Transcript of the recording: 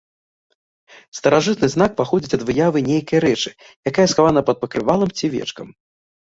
Старажытны знак паходзіць ад выявы нейкай рэчы, якая схавана пад пакрывалам ці вечкам.